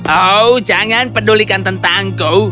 oh jangan pedulikan tentangku